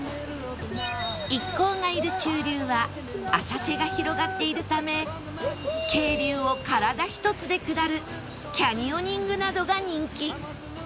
一行がいる中流は浅瀬が広がっているため渓流を体一つで下るキャニオニングなどが人気